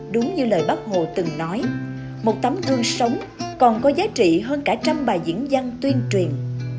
đúng như lời bác hồ từng nói một tấm thư sống còn có giá trị hơn cả trăm bài diễn dân tuyên truyền